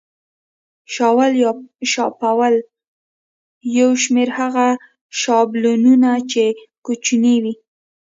شاول یا شافول او یو شمېر هغه شابلونونه چې کوچني وي.